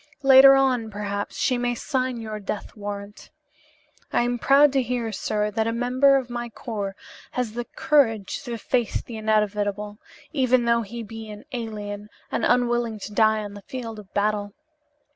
"Later on, perhaps, she may sign your death warrant. I am proud to hear, sir, that a member of my corps has the courage to face the inevitable, even though he be an alien and unwilling to die on the field of battle.